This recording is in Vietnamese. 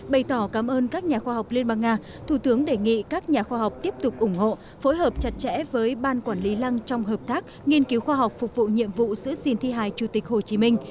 bày tỏ cảm ơn các nhà khoa học liên bang nga thủ tướng đề nghị các nhà khoa học tiếp tục ủng hộ phối hợp chặt chẽ với ban quản lý lăng trong hợp tác nghiên cứu khoa học phục vụ nhiệm vụ giữ xin thi hài chủ tịch hồ chí minh